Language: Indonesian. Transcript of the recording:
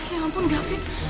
ya ampun gavin